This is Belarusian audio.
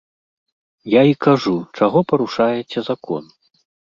Я і кажу, чаго парушаеце закон?!